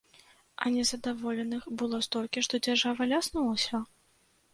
А незадаволеных было столькі, што дзяржава ляснулася?